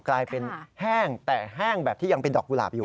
กลายเป็นแห้งแต่แห้งแบบที่ยังเป็นดอกกุหลาบอยู่